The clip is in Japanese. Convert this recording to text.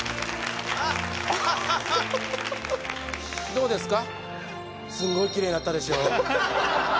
どうですか？